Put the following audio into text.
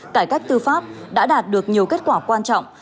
cải cách tư pháp đã đạt được nhiều kết quả quan trọng